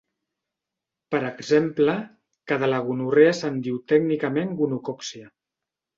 Per exemple, que de la gonorrea se'n diu tècnicament gonocòccia.